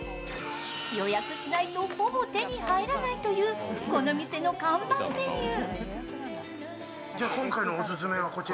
予約しないとほぼ手に入らないというこの店の看板メニュー。